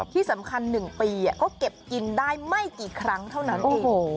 ที่สำคัญ๑ปีก็เก็บกินได้ไม่กี่ครั้งเท่านั้นเอง